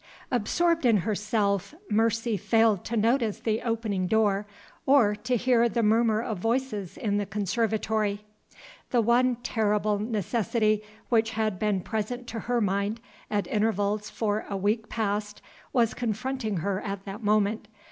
ABSORBED in herself, Mercy failed to notice the opening door or to hear the murmur of voices in the conservatory. The one terrible necessity which had been present to her mind at intervals for a week past was confronting her at that moment.